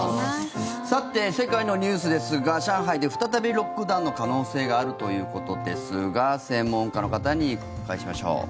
さて世界のニュースですが上海で再びロックダウンの可能性があるということですが専門家の方にお伺いしましょう。